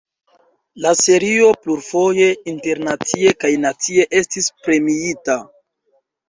La serio plurfoje internacie kaj nacie estis premiita.